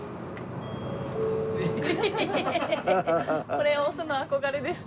これ押すの憧れでした。